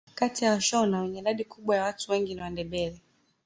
Kati ya washona wenye idadi kubwa ya watu wengi na Wandebele